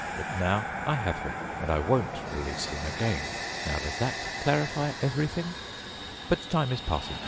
But now I have him, and I won't release him again. Now, does that clarify everything? But time is passing.